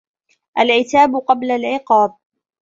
العتاب قبل العقاب